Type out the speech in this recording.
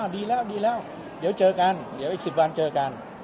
ดีแล้วดีแล้วเดี๋ยวเจอกันเดี๋ยวอีก๑๐วันเจอกัน